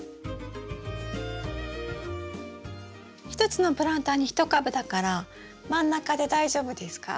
１つのプランターに１株だから真ん中で大丈夫ですか？